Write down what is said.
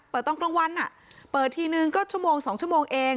เปิดตอนกลางวันอ่ะเปิดทีนึงก็ชั่วโมงสองชั่วโมงเอง